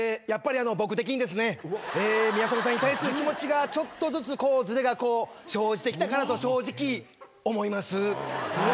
やっぱり僕的にですね宮迫さんに対する気持ちがちょっとずつこうずれが生じてきたかなと正直思います。